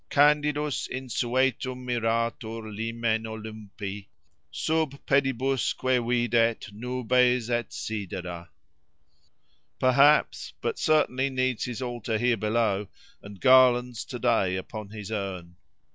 Candidus insuetum miratur limen Olympi, Sub pedibusque videt nubes et sidera.— Perhaps!—but certainly needs his altar here below, and garlands to day upon his urn.